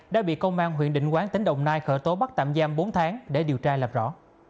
đã bị công an huyện định quán tỉnh đồng nai khởi tố bắt tạm giam bốn tháng để điều tra lập rõ